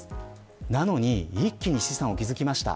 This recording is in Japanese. なのに一気に資産を築きました。